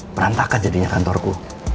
perantakan jadinya kantorku